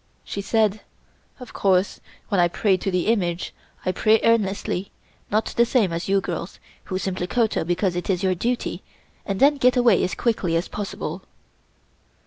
She said: "Of course, when I pray to the image, I pray earnestly, not the same as you girls, who simply kowtow because it is your duty and then get away as quickly as possible."